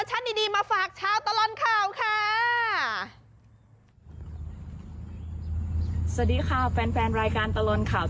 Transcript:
อย่างนี้ดีกว่าคุณค่ะ